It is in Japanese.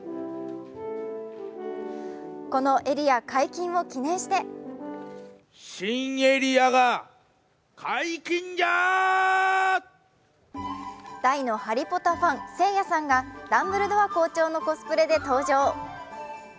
このエリア解禁を記念して大のハリポタファン・せいやさんがダンブルドア校長のコスプレで登場。